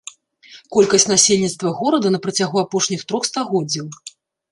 Колькасць насельніцтва горада на працягу апошніх трох стагоддзяў.